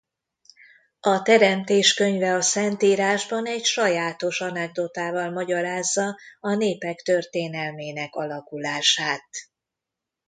A Teremtés könyve a Szentírásban egy sajátos anekdotával magyarázza a népek történelmének alakulását.